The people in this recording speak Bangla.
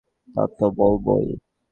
তা তো বলবোই।